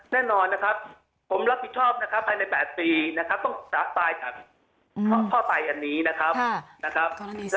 แน่นอนนะครับผมรับผิดชอบภายใน๘ปีต้องศึกษาภายกับพ่อตายอันนี้นะครับ